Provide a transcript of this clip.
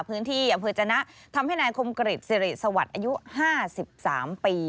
พื้นที่อำเภอจนะทำให้นายคมกริจสิริสวัสดิ์อายุ๕๓ปี